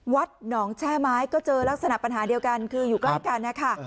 วัดหนองแช่ไม้ก็เจอลักษณะปัญหาเดียวกันคืออยู่ใกล้กันนะคะ